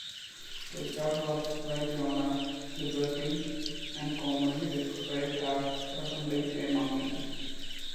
Richard was well known as a libertine and commonly described as resembling a monkey.